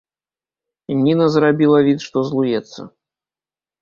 Ніна зрабіла від, што злуецца.